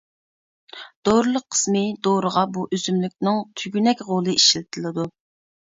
دورىلىق قىسمى دورىغا بۇ ئۆسۈملۈكنىڭ تۈگۈنەك غولى ئىشلىتىلىدۇ.